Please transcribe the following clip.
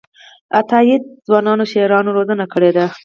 عطاييد ځوانو شاعرانو روزنه کړې ده.